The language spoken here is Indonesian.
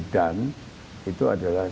dan itu adalah